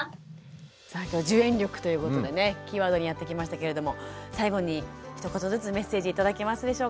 さあ今日は受援力ということでねキーワードにやってきましたけれども最後にひと言ずつメッセージ頂けますでしょうか。